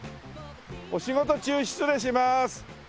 お仕事中失礼します！